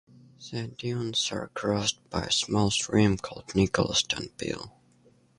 The dunes are crossed by a small stream called Nicholaston Pill.